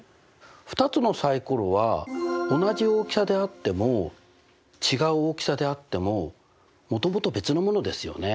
２つのサイコロは同じ大きさであっても違う大きさであってももともと別のものですよね。